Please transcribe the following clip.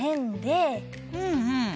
うんうん。